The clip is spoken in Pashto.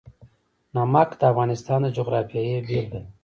نمک د افغانستان د جغرافیې بېلګه ده.